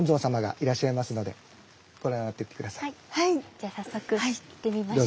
じゃあ早速行ってみましょうか。